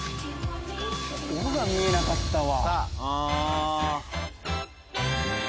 「オ」が見えなかったわ。